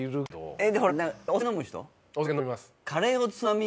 えっ！？